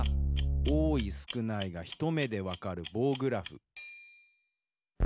多い少ないが一目でわかる棒グラフ。